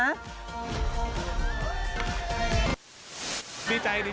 ดีใจ